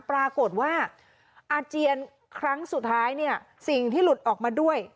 ปรากฏว่าอาเจียนครั้งสุดท้ายเนี่ยสิ่งที่หลุดออกมาด้วย